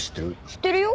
知ってるよ。